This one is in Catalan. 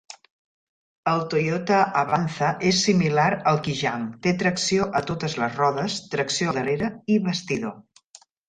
El Toyota Avanza és similar al Kijang: té tracció a totes les rodes, tracció al darrere i bastidor.